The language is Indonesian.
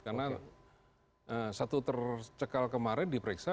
karena satu tercekal kemarin diperiksa